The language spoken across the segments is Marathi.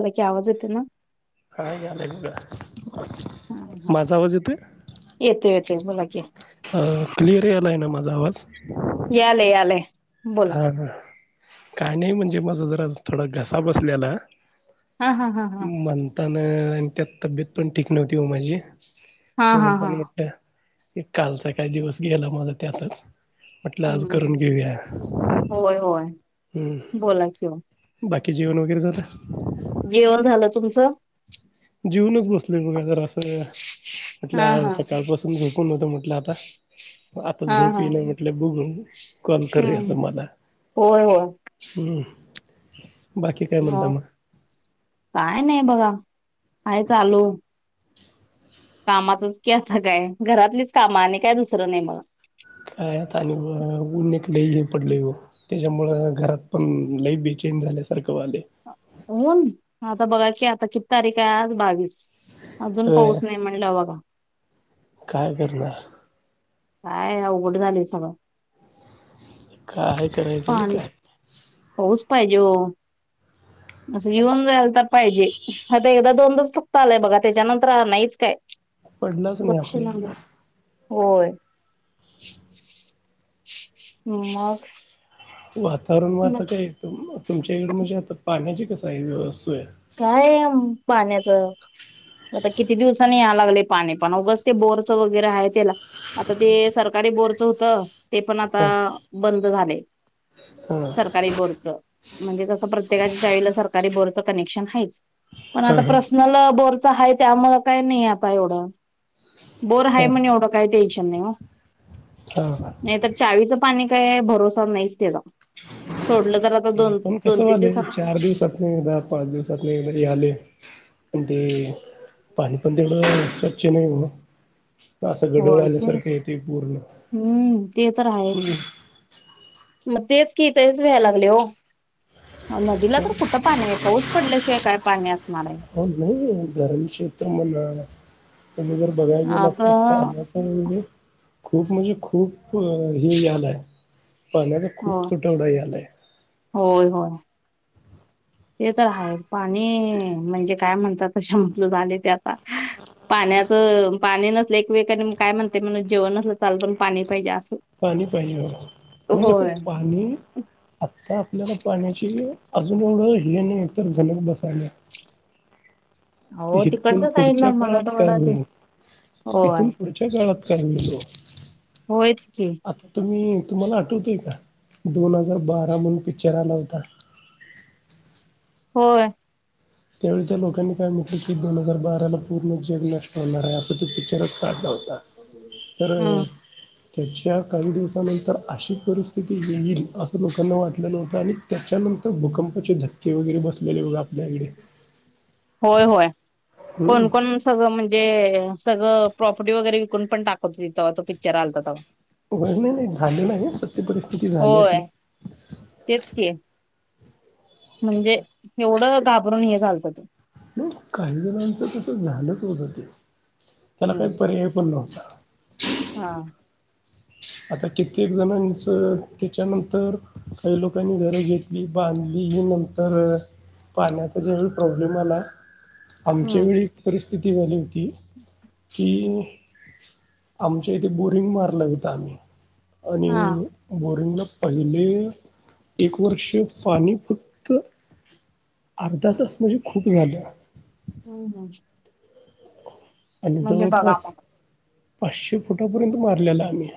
आला की, आवाज येतोय ना? काय घ्यालाय उगाच? हम्म हम्म. माझा आवाज येतोय? येतोय येतोय बोला की अ. क्लिअर यालाय ना माझा आवाज? यालय. यालय. बोला. हा हा. काय नाही म्हणजे माझा जरा थोडा घसा बसल्याला. हा हा हा हा. म्हणतान आणि त्यात तब्येत पण ठीक नव्हती ओ माझी हा म हा हा. म्हणताना म्हटल, एक कालचा काय दिवस गेला माझा त्यातच. म्हटलं आज करून घेऊया. व्हय व्हय. हू हू. बाकी जेवण वगैरे झालं? जेवण झालं. तुमचं? जेवूनच बसलोय बघा जरासं, हा म्हटलं हा सकाळपासून झोपून होतो म्हटलं आता आता हा झोप हा ईना म्हटलं, बघू कॉल करूया हम्म. तुम्हाला. होय होय हम्म. बाकी काय म्हणता मग? काय नाही बघा. आहे चालू. कामाचच की असं काय. घरातलीच काम आणि काय दुसरं नाही बघा. [unintelligible] त्याच्यामुळं घरात पण लई बेचैन झाल्यासारखं झालंय. होन. आता बघा की आता किती तारीख आहे आज? बावीस अजून अ पाऊस नाही म्हण- [unintelligible] बघा. काय [unintelligible] काय अवघड झालय सगळ. काय करायचं न पाणी काय? पाऊस पाहिजे हो. असं येऊन जायला तर पाहिजे. आता एकदा दोनदाच फक्त आलाय बघा. त्याच्यानंतर आलायचं काय? पडलाच नाही आपल्या इकडं. [unintelligible] होय. हं. मग? वातावरण व मग आता काय तुमच्या इकडे म्हणजे आता पाण्याची कस आहे व्यवस्त? आहे पाण्याच. आता किती दिवसांनी या लागलय पाणी. पण उगच ते बोरच वगैरे आहे त्याला- आता ते सरकारी बोरचं होत. ते पण आता हा बंद झालय. सरकार- हा सरकारी बोरचं. म्हणजे तसं प्रत्येकाच्या चाळीला सरकारी बोरचं कनेक्शन आहेच. पण हा आता हा पर्सनल बोरच आहे ते. त्यामुळ काही नाही आता एवढं. बोर आहे म्हण एवढं काय टेन्शन नाही हो. हा. चाळीचं पाणी काय? भरोसा नाहीच त्याचा. सोडलं तर आता ते दोन पण कसं तीन दिवस- व्हायलंय चार दिवसात. एक पाच दिवसातले [unintelligible] घरी आलोय. पण ते, पाणी पण तेवंढ स्वच्छ नाही हो. असं गढूळ होय ते आल्यासारखं येतय पूर्ण. हम्म ते तर हं. आहेच मग तेच कि. तेच व्हायला लागलय की हो. नदीला तर कुठं पाणी आहे? पाऊस पडल्याशिवाय काय पाणी असणार आहे? हो. नाही गरम क्षेत्र [unintelligible] तुम्ही जर बघायला गेलं आता तर पाण्याच- म्हणजे, खूप म्हणजे खूप हे झालंय. पाण्याचा खूप हो तुटवडा यायलाय. होय. होय. ते तर आहेच. पाणी- म्हणजे काय म्हणतात त्याच्यामधलं ते झालय ते आता. पाण्याचं -पाणी नसलं एकवेळ कानी म काय म्हणते म्हण जेवण नसलं त चालल पण पाणी पाहिजे असं. पाणी पाहिजे. आणि कसं होय पाणी- आत्ता आपल्याला पाण्याची- अजून एवढं हेि नाही तर जमिनी बसायल्या. हो इथून तिकडच्या साईडला पुढच्या काळात काय मराठवाडा ते होईल? होय इथून पुढ- च्या काळात काय होईल तो. होयच की. आता तुम्ही, तुम्हाला आठवतय का? दोन हजार बारा म्हणून पिक्चर आला होता. होय. त्यावेळी त्या लोकांनी काय म्हटलं की दोन हजार बाराला पूर्ण जग नष्ट होणार आहे असं ते पिक्चरच- काढला होता तर..... हम्म [inaudible] त्याच्या काही दिवसानंतर अशी परिस्थिती येईल असं लोकांना वाटलं नव्हतं आणि त्याच्यानंतर भूकंपाचे धक्के वगैरे बसलेले बघं आपल्या इकडे? होय -होय हम्म. कोण -कोण सगळं म्हणजे सगळं प्रॉपर्टी वगैरे विकून पण टाकवत हो तेव्हा तो पिक्चर आलत तव्हा. व्हय नाही- नाही झालेल आहे सत्य परिस्थिती झाल्या होय ती. तेच की. म्हणजे एवढं घाबरून हे झालत ते. म काही जणांचं तसं झालंच होत ते त्याला हम्म काही पर्याय पण नव्हता. हा. आता कित्येक जणांचं तिच्यानंतर काही लोकांनी घर घेतली, बांधली ही नंतर.. पाण्याचा ज्यावेळी प्रॉब्लेम आला आमच्या हम्म वेळी परिस्थिती वाली होती की आमच्या इथं बोरिंग मारलं होतं आम्ही. हा आणि बोरिंगला पहिले एक वर्ष पाणी फक्त अर्धा तास म्हणजे खूप झालं. हम्म -हम्म आणि म्हणजे बघा जवळपास मग पाचशे फुटापर्यंत मारलेला आम्ही.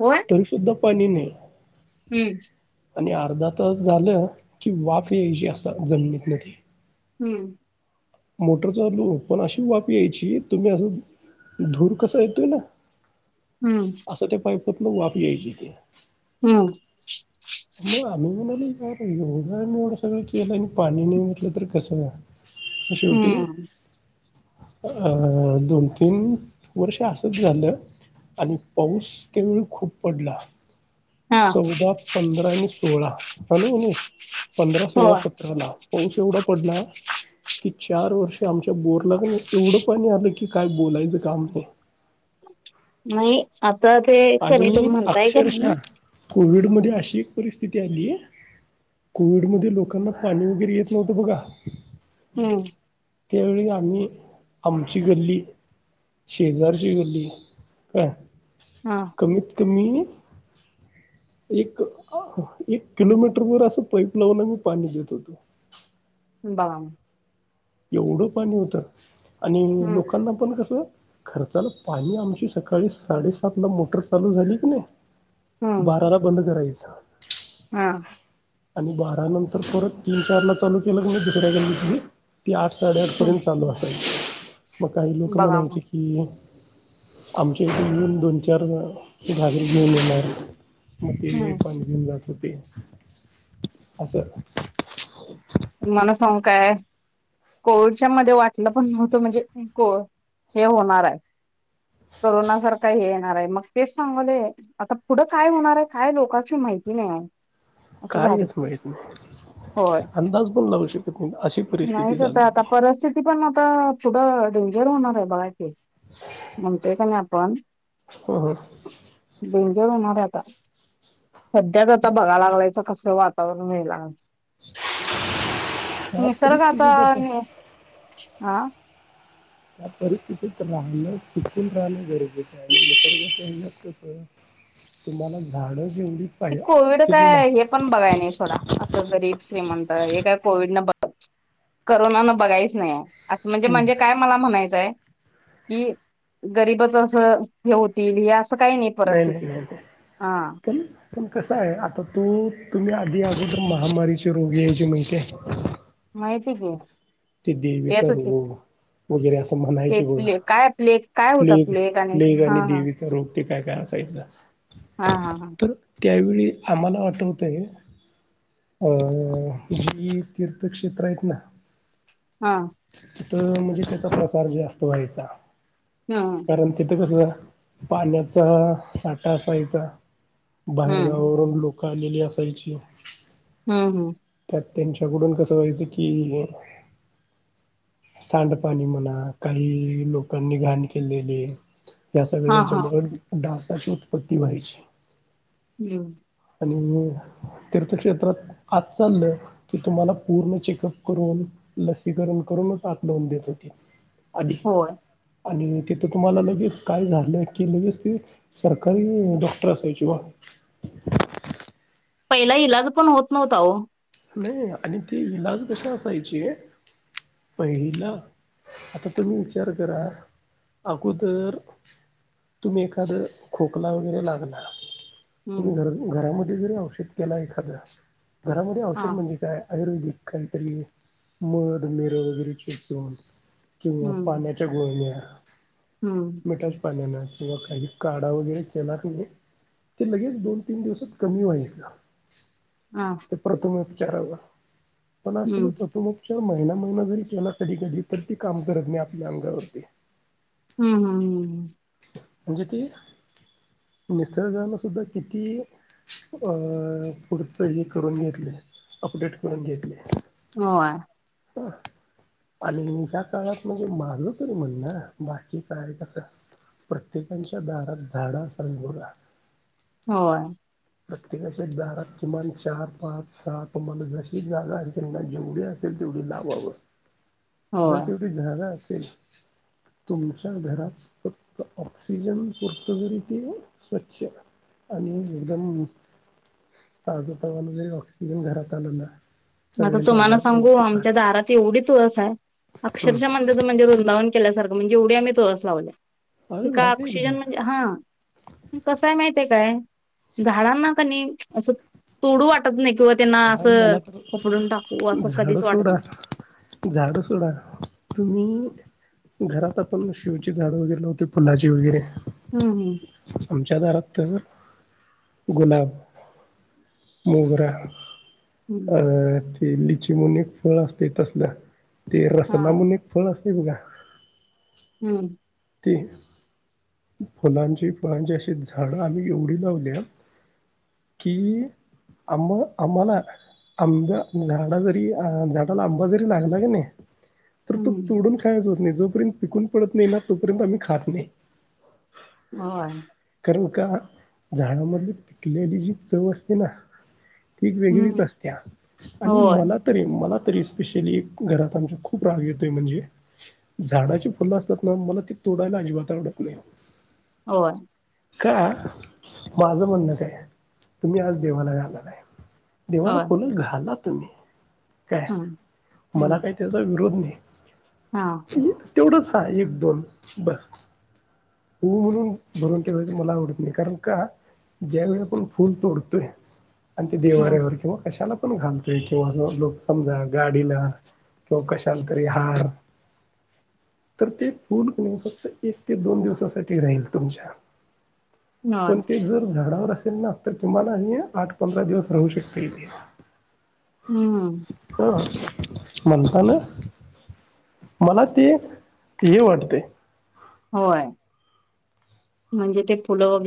होय? तरी सुुद्धा पाणी नाही. हम्म आणि अर्धा तास झालं की वाफ याची अस जमनीतन ती. हम्म मोटर चालू, पण अशी वाफ यायची तुम्ही असं धूर कसा येतोय ना? हम्म असं त्या पायपतन वाप यायची ती. हम्म मग आम्ही म्हणालोय एवढं आणि एवढं सगळं केलं आणि पाणी नाही म्हणल तर कसं [inaudible] म शवटी.. हम्म अ.... दोन -तीन वर्ष असच झालं. आणि पाऊस त्यावेळी खूप पडला. हा चौदा, पंधरा आणि सोळा हानी कनी पंधरा, सोळा, होय. सत त्रला पाऊस एवढा पडला की चार वर्ष आमच्या बोरला कनी एवढं पाणी आलं की काय बोलायचं काम नाही. नाही आता ते कनी तुम्ही म्हणताय का नाही कोविड मध्ये अशी एक परिस्थिती आली कोविडमध्ये लोकांना पाणी वगैरे येत नव्हतं बघा हम्म त्यावेळी आम्ही आमची गल्ली शेजारची गल्ली काय हा कमीत कमी एक- एक किलोमीटरवर असं पाईप लावून आमी पाणी देत होतो. ब [unintelligible] येवढं पाणी होतं आणि हम्म लोकांना पण कसं खर्चाल पाणी आमची सकाळी साडेसात ला मोटर चालू झाली की नाही हम्म बाराला बंद करायच. हा. आणि बारा नंतर परत तीन चार ला चालू केलं कनी दुसऱ्या गल्लीतली ती आठ हम्म साडेआठपर्यंत चालू असायवी मग काही लोक बघा मग. म्हणायची की आमच्याकडे येऊन दोन चार घागरी घेऊन येणार. मग ते हम्म पण घेऊन जात होते असं. तूमाना सांगू काय कोविडच्या मध्ये वाटलं पण नव्हतं म्हणजे को हे होणार आहे. करोना सारखा हे येणार आहे मग तेच सांगवले आता पुढं काय होणार आहे काय लोकास्नी माहिती नाही ओ. कायच माहीत होय नाही अंदाज पण लागू शकत नाही अशी परिस्थिती नाहीच आता झाली ती आता परिस्थिती पण आता पुढं डेंजर होणार आहे बघा की. म्हणतेय का नाही आपण हं, हं. डेंजर होणार आहे आता. सध्याच आता बघा लागलायच कस वातावरण व्हाय लाग. त्या निसर्गाचा परिस्थितीत आता आ त्या परिस्थितीत राहण टिकून राहणं गरजेचं आहे. तुम्हाला झाडं जेवढी ते पाहिजे कोविड असतील ना काय हे पण बघाय नाही सोडा असं गरीब श्रीमंत हे काय कोविड न ब करोना न बघायच नाही आहे. असं म्हणजे हं. म्हणजे काय मला म्हणायचं की गरीबच अस हे होतील हे अस काही नाही. नाही नाही परिस्थिती नाही हा नाही. पण कसा आहे आता तु तुम्ही आधी अगोदर महामारीचे रोगी यायचे माहितीय. माहिती की. ते देवीचा येत होते रोग. वगैरे असं ते म्हणायचे बघा प्ले काय प्ले काय होता प्लेग प्लेग हा आणि हा देवी चा रोग ते काय काय असायचं. हा हा हा. तर त्यावेळी आम्हाला आठवत आहे. अ जी तीर्थक्षेत्र आहेत ना हा. तिथं म्हणजे त्याचा प्रसार जास्त व्हायचा हम्म कारण तिथं कस पाण्याचा साठा असायचा हम्म बाहेरगावावरून लोक क आलेली असायची. हम हम. त्यात त्यांच्याकडून कसं व्हायचं की सांडपाणी म्हणा काही लोकांनी घाण केलेली या हा हा सगळ्याच्यामुळं डासाची उत्पत्ती व्हायची. हम्. आणि तीर्थक्षेत्रात आत चाललं की तुम्हाला पूर्ण चेकअप करून ल तेकरन करूनच आत लावून देत्याती आधी. होय आणि तिथं तुम्हाला लगेच काय झालं की, लगेच ते सरकारी डॉक्टर असायचे ओ पहिला इलाज पण होत नव्हता ओ. नाही आणि ते इलाज कशे असायचे पहिला आता तुम्ही विचार करा, अगोदर तुम्ही एखादं खोकला वगैरे लागला तुम्ही हम्म घर घरामध्ये जरी औषध केला एखादा, घरामध्ये हा औषध म्हणजे काय आयुर्वेदिक काहीतरी मध, मिर वगैरे चेचून किंवा हम्म पाण्यात गुळण्या हम्म मिठाच पाण्यान किंवा काही, काढा वगैरे केला कणी ते लगेच दोन- तीन दिवसात कमी व्हायचं हा प्रथमोपचाराचा, पण हम्म अशाने प्रथमोपचार जर महिना महिना जरी त्याला कधी कधी, तर ती काम करत नाही आपल्या अंगावरती हम्म हम्म हम्म म्हणजे ते निसर्गानं सुद्धा किती अ पुढचं हे करून घेतले, अपडेट करून घेतले आहे होय व आणि ह्या काळात म्हणजे माझं तरी म्हण ना, बाकी काय कसं प्रत्येकांच्या दारात झाडं असावी बगा. होय प्रत्येकाच्या जागात किमान चार, पाच, सहा तुम्हाला जशी जागा असेल ना जेवढी अस ल तेवढी लावावं, जर होय तेवढी जागा असेल. तुमच्या घरात फक्त ऑक्सिजन पुरतं जरी ती स्वच्छ आणि एकदम आजपमान जरी ऑक्सिजन घरात आलं ना, आता सगळ्यांच्या तुम्हाला आजार सांगू आमच्या राहतील दारात एवढी तुळस आहे अक्षरशः [unintelligible] वृंदावन केल्यासारख, म्हणजे एवढी आम्ही तुळस अरे लावल्या भारी आहे ना ऑक्सिजन म्हणजे मग हा कसय माहितय काय, झाडांना क नाही असं तोडू वाटत नाही किंवा त्यांना हा असं मला तर उपडून टाकू असं कधीच वाटत झाड सोडा तुम्ही अं घरात आपण शिवची झाड वगैरे लावते, फुलाचे वगैरे हम्म हम् आमच्या दारात तर गुलाब, मोगरा हम्म अ ते लिचीमुन एक फळ असते, तसलं ते हा. रसलामुन एक फळ असते बघा हम्म ती फुलांची, फळांची अशी झाड आम्ही एवढी लावल्यात कि, आम आम्हाला आंब झाड, जरी झाडाला आंबा जरी लागला की नाही तर तो हम्म तोडून खायच होत नाही, जोपर्यंत पिकून पडत नाही ना तोपर्यंत आम्ही खात नाही. हो कारण का, झाडामधली पिकलेली जी चव असते ना ती वेगळीच हम्म असत्या आणि होय मला तरी, मला तरी स्पेशली, घरात आमच्या खूप राग येतोय, म्हणजे झाडाची फुलं असतात ना, मला ती तोडायला अजिबात आवडत नही. होय. का? माझं म्हणणं काय? तुम्ही आज देवाला जाणार आहे देवाला होय फुलं घाला तुम्ही, काय, हम्म मला काही त्याचा विरोध नही. हां. तें, तेवढंच हाय एक दोन, बस. ऊ म्हणून भरून ठेवायचं, मला आवडत नही, कारण का? ज्यावेेळी आपण फुल तोडतोय आणि ते हम्म देवाऱ्यावर किंवा कशाला पण घालतोय किंवा लोक समजा गाडीला व कशाला तरी हार, तर ते फूल फुल फक्त एक ते दोन दिवसासाठी राहील तुमच्या होय पण ते जर झाडावर असेल ना, तर तुम्हाला हे आठ पंधरा दिवस राहू शकते, इथे. हम्म. अं, म्हणता ना. मला ते, हे वाटतय. होय, म्हणजे ते फुलं वगै